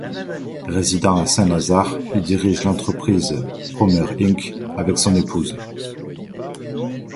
Résidant à Saint-Lazare, il dirige l'entreprise Promar Inc. avec son épouse.